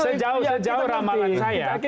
sejauh sejauh ramalan saya